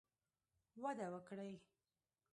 وده وکړي